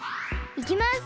いきます！